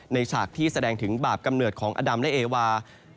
ฉากที่แสดงถึงบาปกำเนิดของอดำและเอวา